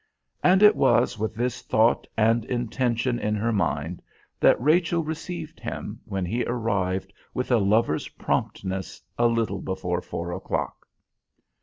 And it was with this thought and intention in her mind that Rachel received him, when he arrived with a lover's promptness a little before four o'clock.